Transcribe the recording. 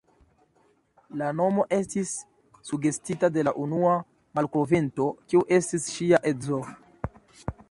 La nomo estis sugestita de la unua malkovrinto, kiu estis ŝia edzo.